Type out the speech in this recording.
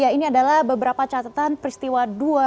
ini adalah beberapa catatan peristiwa dua ribu dua puluh dua